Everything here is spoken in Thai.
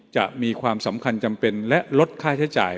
จะมีความสำคัญจำเป็นและลดค่าใช้จ่าย